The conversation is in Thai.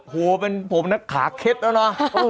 โหเป็นผมนักขาเคล็ดแล้วนะ